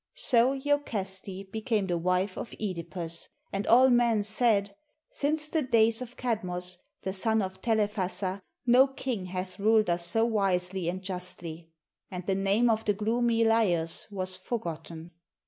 So lokaste became the wife of (Edipus, and all men said, "Since the days of Kadmos, the son of Telephassa, no king hath ruled us so wisely and justly"; and the name of the gloomy Laios was for gotten.